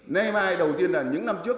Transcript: nay mai đầu tiên là những năm trước